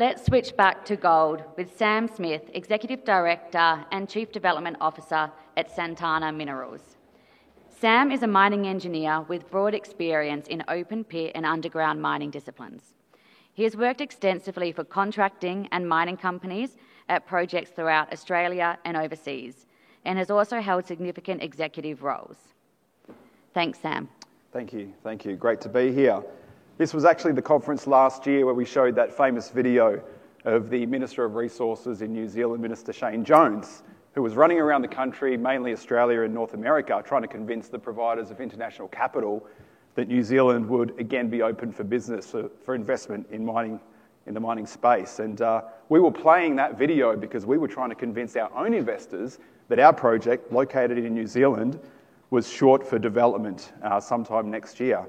Let's switch back to gold with Sam Smith, Executive Director and Chief Development Officer at Santana Minerals. Sam is a mining engineer with broad experience in open pit and underground mining disciplines. He has worked extensively for contracting and mining companies at projects throughout Australia and overseas, and has also held significant executive roles. Thanks, Sam. Thank you, thank you. Great to be here. This was actually the conference last year where we showed that famous video of the Minister of Resources in New Zealand, Minister Shane Jones, who was running around the country, mainly Australia and North America, trying to convince the providers of international capital that New Zealand would again be open for business, for investment in mining, in the mining space. We were playing that video because we were trying to convince our own investors that our project, located in New Zealand, was short for development sometime next year.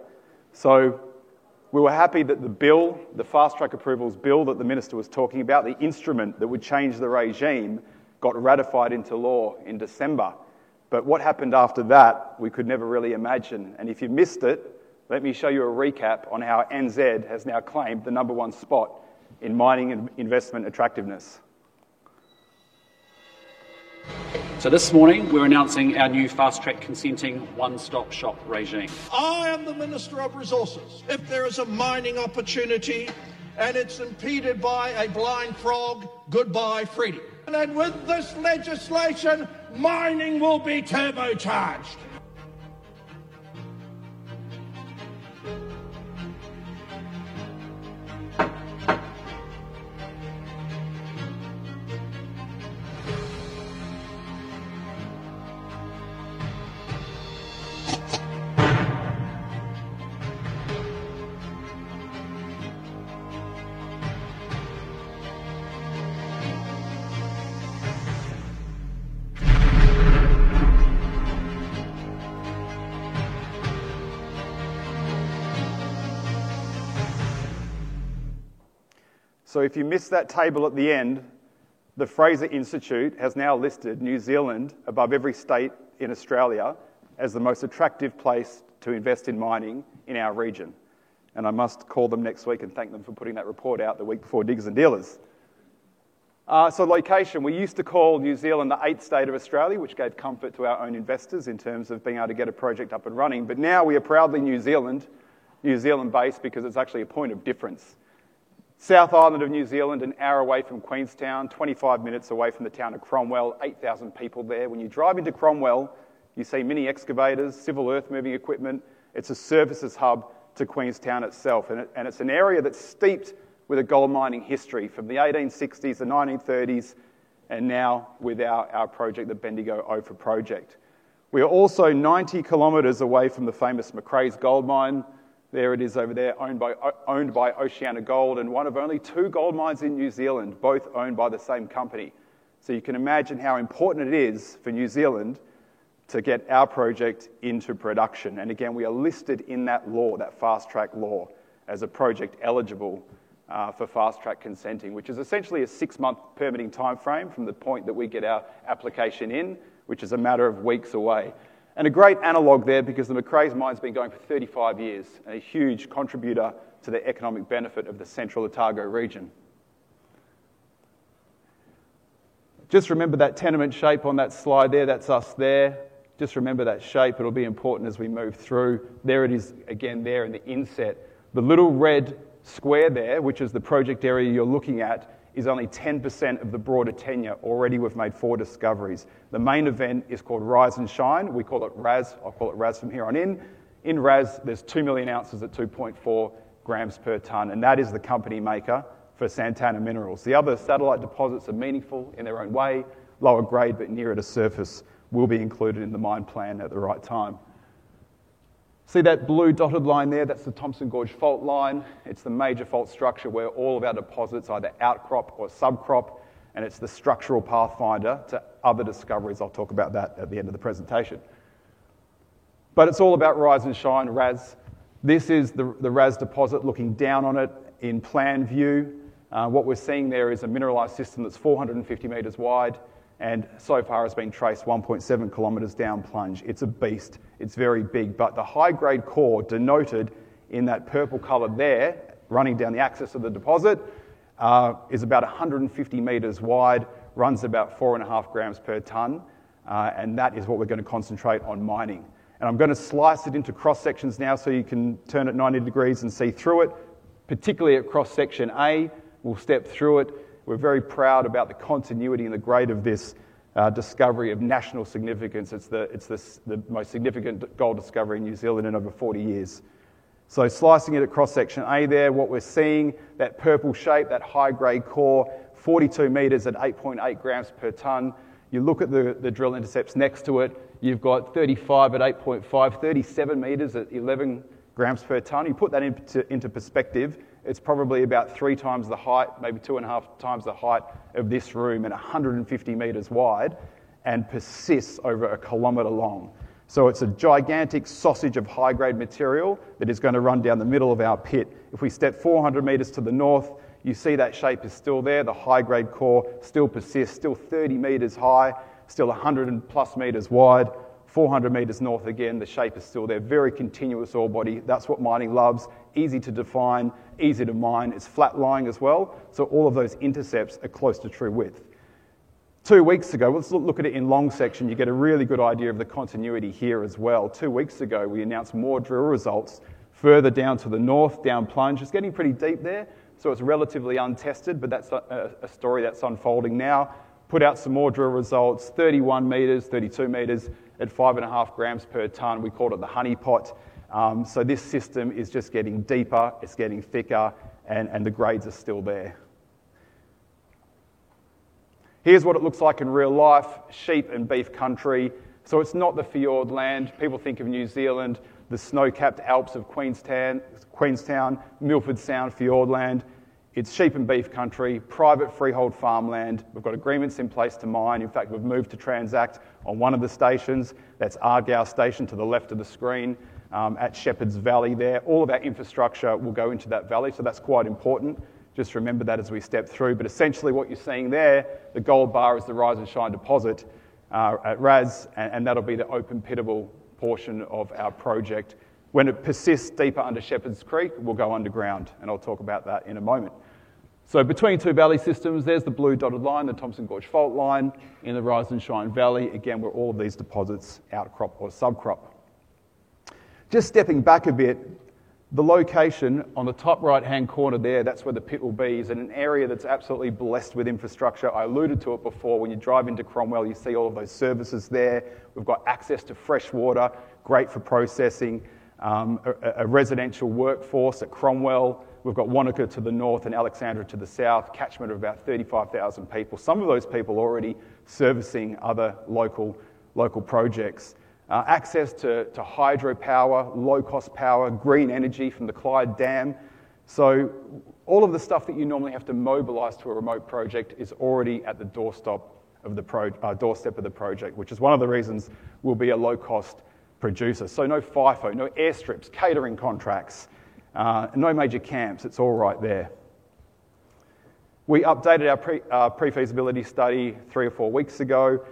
We were happy that the bill, the fast track approvals bill that the Minister was talking about, the instrument that would change the regime, got ratified into law in December. What happened after that, we could never really imagine. If you missed it, let me show you a recap on how New Zealand has now claimed the number one spot in mining investment attractiveness. This morning, we're announcing our new fast track consenting one-stop shop regime. I am the Minister of Resources! If there is a mining opportunity and it's impeded by a blind frog, goodbye, free. With this legislation, mining will be turbocharged! If you missed that table at the end, the Fraser Institute has now listed New Zealand, above every state in Australia, as the most attractive place to invest in mining in our region. I must call them next week and thank them for putting that report out the week before Digs and Dealers. Location, we used to call New Zealand the eighth state of Australia, which gave comfort to our own investors in terms of being able to get a project up and running. Now we are proudly New Zealand, New Zealand-based, because it's actually a point of difference. South Island of New Zealand, an hour away from Queenstown, 25 minutes away from the town of Cromwell, 8,000 people there. When you drive into Cromwell, you see mini excavators, civil earth moving equipment. It's a services hub to Queenstown itself. It's an area that's steeped with a gold mining history from the 1860s to the 1930s, and now with our project, the Bendigo-Ophir Project. We are also 90 km away from the famous MacRaes Gold Mine. There it is over there, owned by OceanaGold, and one of only two gold mines in New Zealand, both owned by the same company. You can imagine how important it is for New Zealand to get our project into production. We are listed in that law, that fast track law, as a project eligible for fast track consenting, which is essentially a six-month permitting timeframe from the point that we get our application in, which is a matter of weeks away. A great analogue there, because the McRaes Mine's been going for 35 years, a huge contributor to the economic benefit of the Central Otago region. Just remember that tenement shape on that slide there, that's us there. Just remember that shape. It'll be important as we move through. There it is again there in the inset. The little red square there, which is the project area you're looking at, is only 10% of the broader tenure. Already we've made four discoveries. The main event is called Rise and Shine. We call it RAS. I'll call it RAS from here on in. In RAS, there's 2 million ounces at 2.4 g/t, and that is the company maker for Santana Minerals. The other satellite deposits are meaningful in their own way, lower grade, but nearer to surface, will be included in the mine plan at the right time. See that blue dotted line there? That's the Thompson Gorge fault line. It's the major fault structure where all of our deposits either outcrop or subcrop, and it's the structural pathfinder to other discoveries. I'll talk about that at the end of the presentation. It's all about Rise and Shine, RAS. This is the RAS deposit looking down on it in plan view. What we're seeing there is a mineralized system that's 450 meters wide and so far has been traced 1.7 km down plunge. It's a beast. It's very big. The high-grade core denoted in that purple color there, running down the axis of the deposit, is about 150 meters wide, runs about 4.5 g/t, and that is what we're going to concentrate on mining. I'm going to slice it into cross sections now so you can turn it 90 degrees and see through it, particularly at cross section A. We'll step through it. We're very proud about the continuity and the grade of this discovery of national significance. It's the most significant gold discovery in New Zealand in over 40 years. Slicing it across section A there, what we're seeing, that purple shape, that high-grade core, 42 meters at 8.8 g/t. You look at the drill intercepts next to it. You've got 35 at 8.5, 37 meters at 11 g/t. You put that into perspective, it's probably about three times the height, maybe two and a half times the height of this room and 150 meters wide and persists over a kilometer long. It's a gigantic sausage of high-grade material that is going to run down the middle of our pit. If we step 400 meters to the north, you see that shape is still there. The high-grade core still persists, still 30 meters high, still 100+ meters wide. 400 meters north again, the shape is still there. Very continuous ore body. That's what mining loves. Easy to define, easy to mine. It's flat lying as well. All of those intercepts are close to true width. Two weeks ago, let's look at it in long section. You get a really good idea of the continuity here as well. Two weeks ago, we announced more drill results further down to the north, down plunge. It's getting pretty deep there. It's relatively untested, but that's a story that's unfolding now. Put out some more drill results, 31 meters, 32 meters at 5.5 g/t. We called it the honeypot. This system is just getting deeper. It's getting thicker and the grades are still there. Here's what it looks like in real life, sheep and beef country. It's not the fjord land. People think of New Zealand, the snow-capped Alps of Queenstown, Milford Sound fjord land. It's sheep and beef country, private freehold farmland. We've got agreements in place to mine. In fact, we've moved to transact on one of the stations. That's Argyle Station to the left of the screen at Shepherd's Valley there. All of that infrastructure will go into that valley. That's quite important. Just remember that as we step through. Essentially what you're seeing there, the gold bar is the Rise and Shine deposit at RAS, and that'll be the open pitable portion of our project. When it persists deeper under Shepherd's Creek, we'll go underground, and I'll talk about that in a moment. Between two valley systems, there's the blue dotted line, the Thompson Gorge fault line in the Rise and Shine Valley, where all of these deposits outcrop or subcrop. Stepping back a bit, the location on the top right-hand corner there, that's where the pit will be, is in an area that's absolutely blessed with infrastructure. I alluded to it before. When you drive into Cromwell, you see all of those services there. We've got access to fresh water, great for processing, a residential workforce at Cromwell. We've got Wanaka to the north and Alexandra to the south, catchment of about 35,000 people. Some of those people are already servicing other local projects. Access to hydropower, low-cost power, green energy from the Clyde Dam. All of the stuff that you normally have to mobilize to a remote project is already at the doorstep of the project, which is one of the reasons we'll be a low-cost producer. No FIFO, no airstrips, catering contracts, no major camps. It's all right there. We updated our pre-feasibility study three or four weeks ago.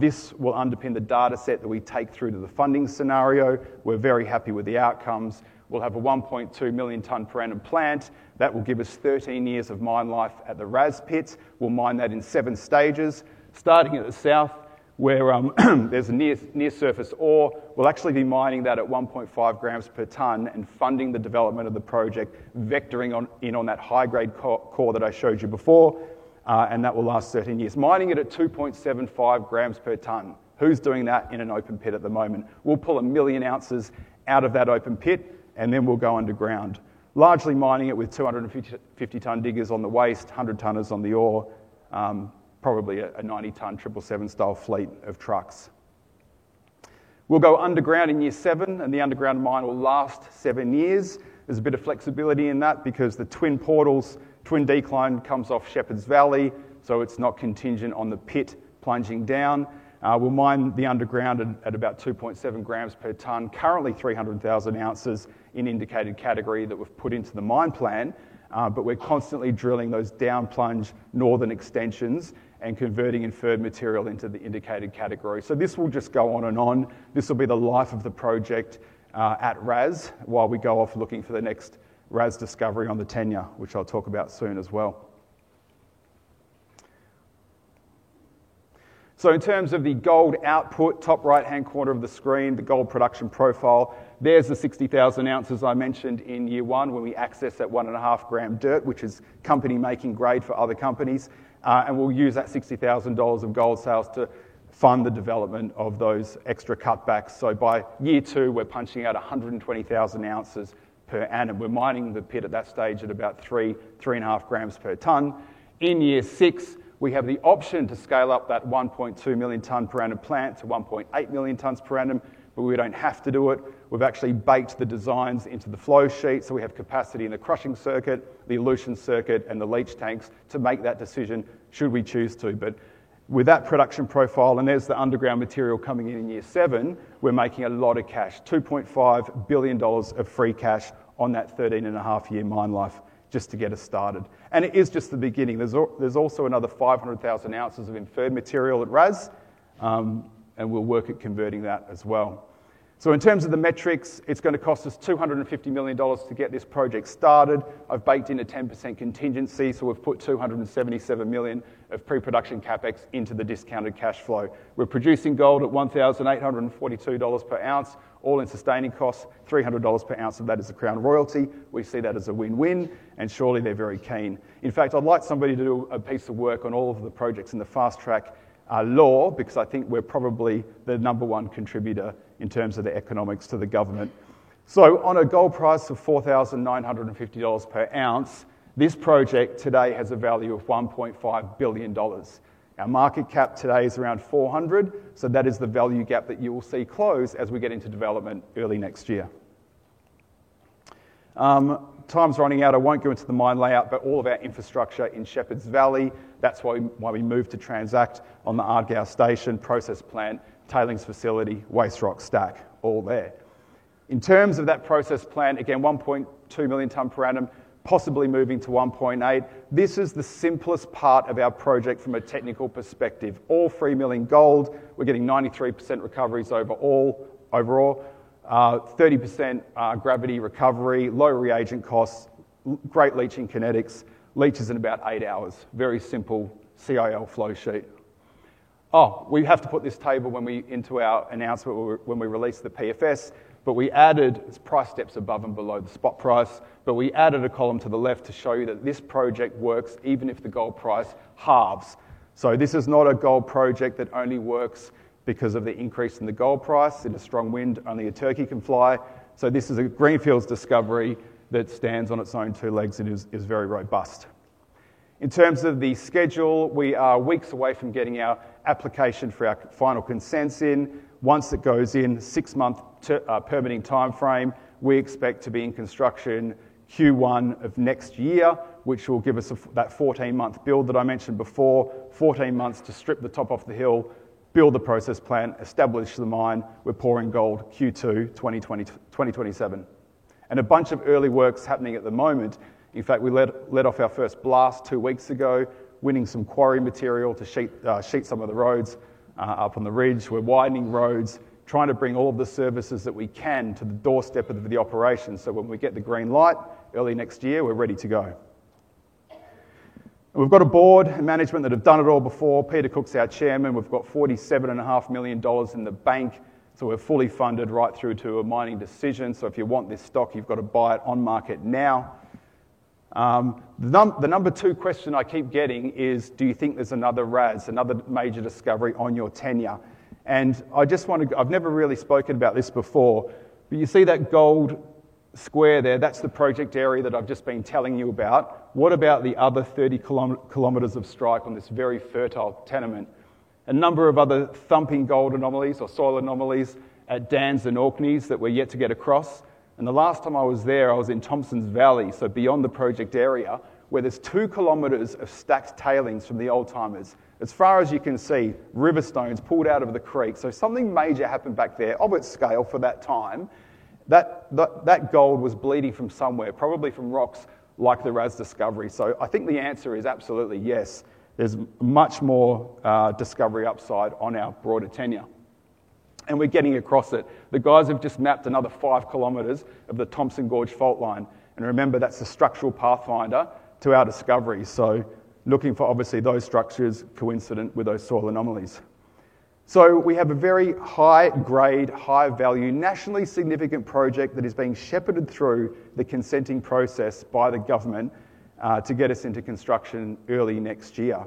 This will underpin the dataset that we take through to the funding scenario. We're very happy with the outcomes. We'll have a 1.2 million-ton per annum plant. That will give us 13 years of mine life at the RAS pits. We'll mine that in seven stages, starting at the south where there's near-surface ore. We'll actually be mining that at 1.5 g/t and funding the development of the project, vectoring in on that high-grade core that I showed you before, and that will last 13 years, mining it at 2.75 g/t. Who's doing that in an open pit at the moment? We'll pull a million ounces out of that open pit, and then we'll go underground. Largely mining it with 250-ton diggers on the waste, 100-tonners on the ore, probably a 90-ton triple seven-style fleet of trucks. We'll go underground in year seven, and the underground mine will last seven years. There's a bit of flexibility in that because the twin portals, twin decline comes off Shepherd's Valley, so it's not contingent on the pit plunging down. We'll mine the underground at about 2.7 g/t, currently 300,000 ounces in indicated category that we've put into the mine plan. We're constantly drilling those down plunge northern extensions and converting inferred material into the indicated category. This will just go on and on. This will be the life of the project at RAS while we go off looking for the next RAS discovery on the tenure, which I'll talk about soon as well. In terms of the gold output, top right-hand corner of the screen, the gold production profile, there's the 60,000 ounces I mentioned in year one where we access that 1.5 g/t dirt, which is company-making grade for other companies, and we'll use that $60,000 of gold sales to fund the development of those extra cutbacks. By year two, we're punching out 120,000 ounces per annum. We're mining the pit at that stage at about three, three and a half g/t. In year six, we have the option to scale up that 1.2 million ton per annum plant to 1.8 million tons per annum, but we don't have to do it. We've actually baked the designs into the flow sheet, so we have capacity in the crushing circuit, the elution circuit, and the leach tanks to make that decision should we choose to. With that production profile, and there's the underground material coming in in year seven, we're making a lot of cash, $2.5 billion of free cash on that 13.5-year mine life just to get us started. It is just the beginning. There's also another 500,000 ounces of inferred material at RAS, and we'll work at converting that as well. In terms of the metrics, it's going to cost us $250 million to get this project started. I've baked in a 10% contingency, so we've put $277 million of pre-production CapEx into the discounted cash flow. We're producing gold at $1,842 per ounce, all-in sustaining costs. $300 per ounce of that is a Crown royalty. We see that as a win-win, and surely they're very keen. In fact, I'd like somebody to do a piece of work on all of the projects in the fast track law because I think we're probably the number one contributor in terms of the economics to the government. On a gold price of $4,950 per ounce, this project today has a value of $1.5 billion. Our market cap today is around $400 million, so that is the value gap that you will see close as we get into development early next year. Time's running out. I won't go into the mine layout, but all of our infrastructure in Shepherd's Valley, that's why we moved to transact on the Argyle Station, process plant, tailings facility, waste rock stack, all there. In terms of that process plant, again, 1.2 million tonnes per annum, possibly moving to 1.8 million. This is the simplest part of our project from a technical perspective. All 3 million gold. We're getting 93% recoveries overall, 30% gravity recovery, low reagent costs, great leaching kinetics, leaches in about eight hours. Very simple CIL flow sheet. We have to put this table into our announcement when we release the PFS, but we added price steps above and below the spot price, but we added a column to the left to show you that this project works even if the gold price halves. This is not a gold project that only works because of the increase in the gold price. In a strong wind, only a turkey can fly. This is a greenfields discovery that stands on its own two legs and is very robust. In terms of the schedule, we are weeks away from getting our application for our final consent in. Once it goes in, six-month permitting timeframe, we expect to be in construction Q1 of next year, which will give us that 14-month build that I mentioned before. Fourteen months to strip the top off the hill, build the process plant, establish the mine. We're pouring gold Q2 2027. A bunch of early works happening at the moment. In fact, we let off our first blast two weeks ago, winning some quarry material to sheet some of the roads up on the ridge. We're widening roads, trying to bring all of the services that we can to the doorstep of the operation. When we get the green light early next year, we're ready to go. We've got a board and management that have done it all before. Peter Cook's our Chairman. We've got $47.5 million in the bank, so we're fully funded right through to a mining decision. If you want this stock, you've got to buy it on market now. The number two question I keep getting is, do you think there's another RAS, another major discovery on your tenure? I just want to, I've never really spoken about this before. You see that gold square there, that's the project area that I've just been telling you about. What about the other 30 km of strike on this very fertile tenement? A number of other thumping gold anomalies or soil anomalies at Dans and Orkney that we're yet to get across. The last time I was there, I was in Thompson's Valley, beyond the project area, where there's 2 km of stacked tailings from the old timers. As far as you can see, river stones pulled out of the creek. Something major happened back there, Albert scale for that time. That gold was bleeding from somewhere, probably from rocks like the RAS discovery. I think the answer is absolutely yes. There's much more discovery upside on our broader tenure. We're getting across it. The guys have just mapped another 5 km of the Thompson Gorge fault line. Remember, that's a structural pathfinder to our discovery. Looking for obviously those structures coincident with those soil anomalies. We have a very high-grade, high-value, nationally significant project that is being shepherded through the consent process by the government to get us into construction early next year.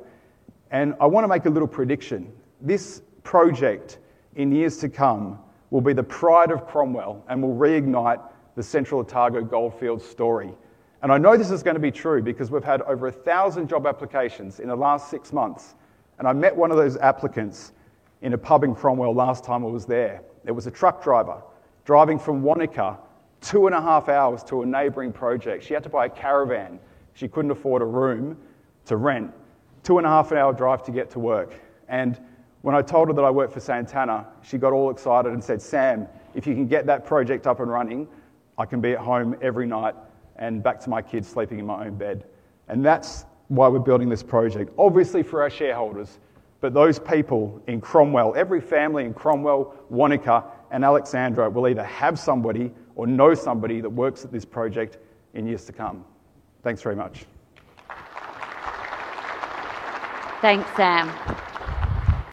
I want to make a little prediction. This project in years to come will be the pride of Cromwell and will reignite the Central Otago goldfield story. I know this is going to be true because we've had over 1,000 job applications in the last six months. I met one of those applicants in a pub in Cromwell last time I was there. There was a truck driver driving from Wanaka two and a half hours to a neighboring project. She had to buy a caravan. She couldn't afford a room to rent. Two and a half hour drive to get to work. When I told her that I worked for Santana Minerals, she got all excited and said, "Sam, if you can get that project up and running, I can be at home every night and back to my kids sleeping in my own bed." That's why we're building this project. Obviously for our shareholders, but those people in Cromwell, every family in Cromwell, Wanaka, and Alexandra will either have somebody or know somebody that works at this project in years to come. Thanks very much. Thanks, Sam.